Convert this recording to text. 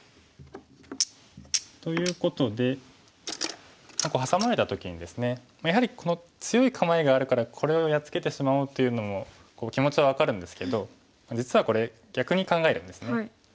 ということでハサまれた時にですねやはりこの強い構えがあるからこれをやっつけてしまおうというのも気持ちは分かるんですけど実はこれ逆に考えるんですね。